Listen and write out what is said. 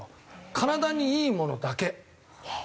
体にいいものだけ。